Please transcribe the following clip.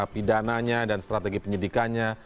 pidananya dan strategi penyidikannya